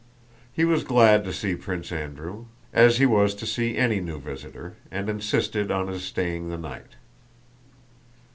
He was glad to see Prince Andrew, as he was to see any new visitor, and insisted on his staying the night.